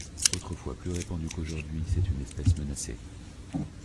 Autrefois plus répandue qu'aujourd'hui c'est une espèce menacée.